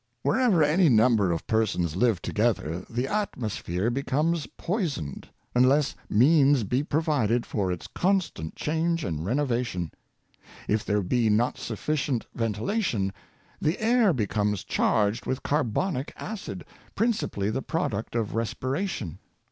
Wherever any number of persons live together, the atmosphere becomes poisoned, unless means be provided for its constant change and renovation. If there be not sufBcient ventillation, the air becomes charged with 40 Necessity for Pure Air. carbonic acid, principally the product of respiration.